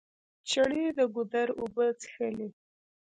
چڼې د ګودر اوبه څښلې.